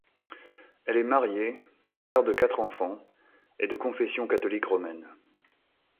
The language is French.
Elle est mariée, mère de quatre enfants et de confession catholique romaine.